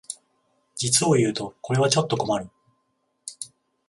実をいうとこれはちょっと困る